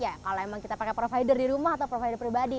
ya kalau emang kita pakai provider di rumah atau provider pribadi